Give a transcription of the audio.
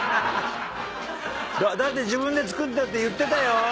だって自分で作ったって言ってたよ？